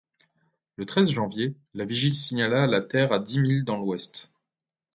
Le treize janvier, la vigie signala la terre à dix milles dans l’ouest.